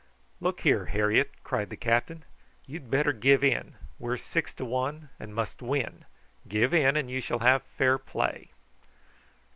"Look here, Harriet," cried the captain; "you'd better give in; we're six to one, and must win. Give in, and you shall have fair play."